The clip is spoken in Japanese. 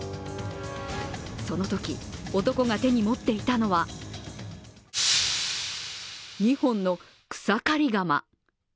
そのとき男が手に持っていたのは２本の草刈り鎌。